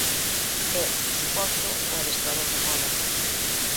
E, por suposto, o adestrador de moda.